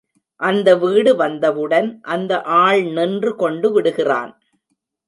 அந்த வீடு வந்தவுடன், அந்த ஆள் நின்று கொண்டுவிடுகிறான்.